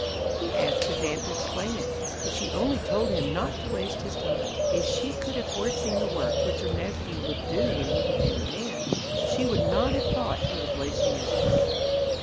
He asked his aunt to explain it, but she only told him not to waste his time. If she could have foreseen the work which her nephew would do when he became a man, she would not have thought he was wasting his time.